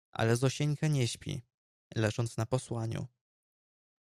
Ale Zosieńka nie śpi, leżąc na posłaniu